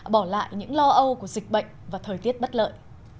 bỏ lại những lo âu của dịch bệnh và thời tiết bất lợi